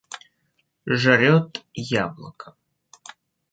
Жрет яблоко.